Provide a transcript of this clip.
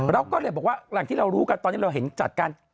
เราก็เลยบอกว่าหลังที่เรารู้กันตอนนี้เราเห็นจัดการ